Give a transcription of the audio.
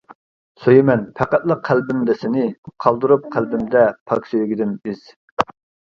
سۆيىمەن پەقەتلا قەلبىمدە سىنى، قالدۇرۇپ قەلبىمدە پاك سۆيگۈدىن ئىز.